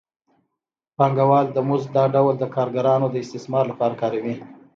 پانګوال د مزد دا ډول د کارګرانو د استثمار لپاره کاروي